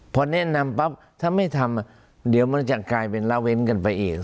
พอแนะนำปั๊บถ้าไม่ทำเดี๋ยวมันจะกลายเป็นละเว้นกันไปอีก